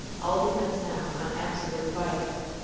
All depends now on absolute quiet.